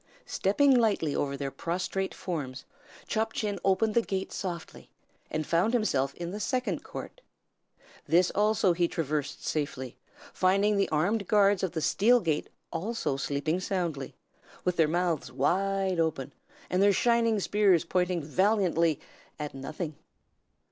Stepping lightly over their prostrate forms, Chop Chin opened the gate softly, and found himself in the second court. This, also, he traversed safely, finding the armed guardians of the steel gate also sleeping soundly, with their mouths wide open, and their shining spears pointing valiantly at nothing.